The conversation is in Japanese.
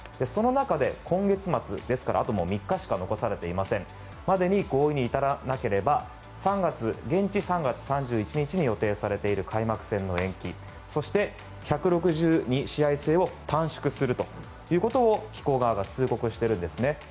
その中で、今月末ですからあと３日しか残されていませんがそれまでに合意に至らなければ現地３月３１日に予定されている開幕戦の延期そして１６２試合制を短縮すると機構側が通告しているんですね。